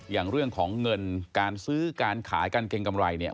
อย่างเรื่องของเงินการซื้อการขายการเกรงกำไรเนี่ย